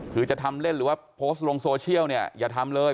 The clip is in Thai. คือจะทำเล่นหรือว่าโพสต์ลงโซเชียลเนี่ยอย่าทำเลย